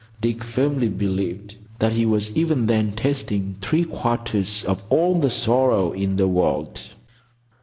Dick firmly believed that he was even then tasting three quarters of all the sorrow in the world.